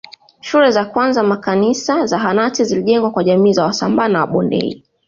Shule za kwanza makanisa zahanati zilijengwa kwa jamii za wasambaa na wabondei